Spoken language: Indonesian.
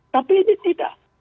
tapi ini tidak